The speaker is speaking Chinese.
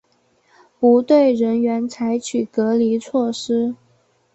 不对人员采取隔离措施